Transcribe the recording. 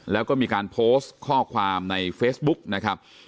แล้วก็มีการโพสต์ข้อความในเฟซบุ๊กนะครับ